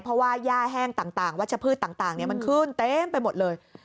เพราะว่าย่าแห้งต่างวัชพืชต่างมันขึ้นเต็มไปหมดเลย